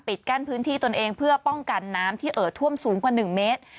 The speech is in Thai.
กั้นพื้นที่ตนเองเพื่อป้องกันน้ำที่เอ่อท่วมสูงกว่า๑เมตร